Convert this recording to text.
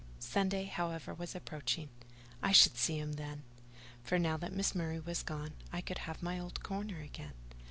Sunday, however, was approaching: I should see him then: for now that Miss Murray was gone, I could have my old corner again.